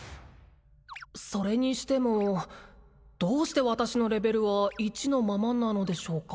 それにしてもどうして私のレベルは１のままなのでしょうか？